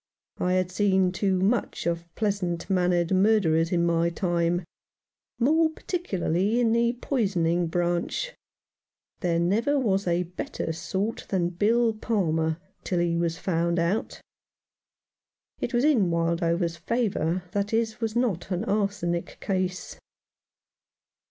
I had seen too much of pleasant mannered murderers in my time, more particularly in the poisoning branch. There never was a better sort than Bill Palmer till he was found out. It was in Wildover's favour that his was not an arsenic case.